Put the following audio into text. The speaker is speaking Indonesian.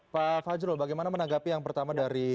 pak fajrul bagaimana menanggapi yang pertama dari